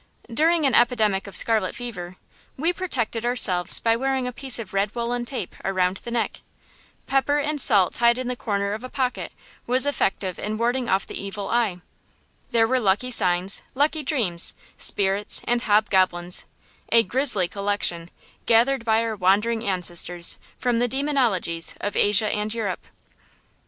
During an epidemic of scarlet fever, we protected ourselves by wearing a piece of red woolen tape around the neck. Pepper and salt tied in a corner of the pocket was effective in warding off the evil eye. There were lucky signs, lucky dreams, spirits, and hobgoblins, a grisly collection, gathered by our wandering ancestors from the demonologies of Asia and Europe.